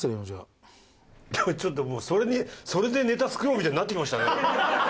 ちょっともうそれにそれでネタ作ろうみたいになってきましたね。